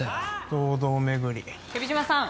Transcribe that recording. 堂々巡り蛇島さん